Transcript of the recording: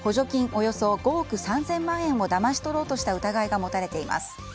およそ５億３０００万円をだまし取ろうとした疑いが持たれています。